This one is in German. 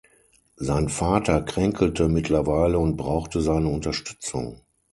Sein Vater kränkelte mittlerweile und brauchte seine Unterstützung.